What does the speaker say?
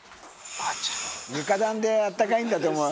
床暖で暖かいんだと思う。